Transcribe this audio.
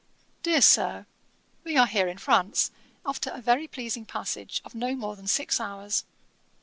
'DEAR SIR, 'We are here in France, after a very pleasing passage of no more than six hours.